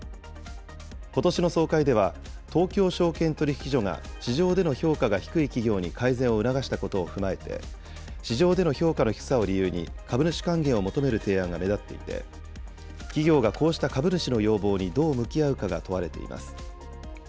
ことしの総会では、東京証券取引所が、市場での評価が低い企業に改善を促したことを踏まえて、市場での評価の低さを理由に、株主還元を求める提案が目立っていて、企業がこうした株主の要望にどう向き合うかが問われています。